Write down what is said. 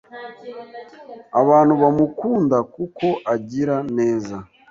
Abantu bamukunda kuko agira neza.